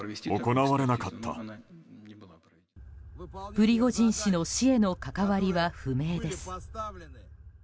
プリゴジン氏の死への関わりは不明です。